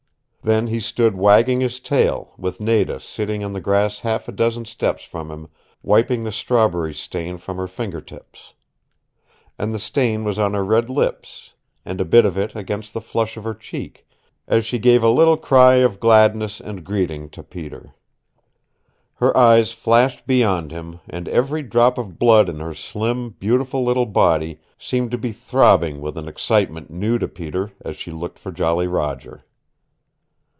Then he stood wagging his tail, with Nada sitting on the grass half a dozen steps from him, wiping the strawberry stain from her finger tips. And the stain was on her red lips, and a bit of it against the flush of her cheek, as she gave a little cry of gladness and greeting to Peter. Her eyes flashed beyond him, and every drop of blood in her slim, beautiful little body seemed to be throbbing with an excitement new to Peter as she looked for Jolly Roger.